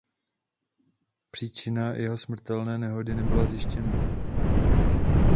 Příčina jeho smrtelné nehody nebyla zjištěna.